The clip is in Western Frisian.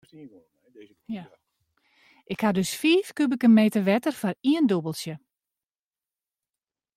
Ik ha dus fiif kubike meter wetter foar ien dûbeltsje.